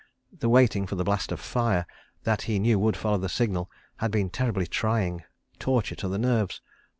The waiting for the blast of fire, that he knew would follow the signal, had been terribly trying—a torture to the nerves.